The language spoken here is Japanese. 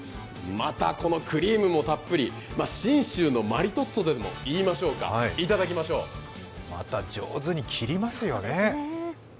またこのクリームもたっぷり、信州のマリトッツォとでもいいましょうか、また上手に切りますよね。